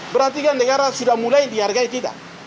berarti kan negara sudah mulai dihargai kita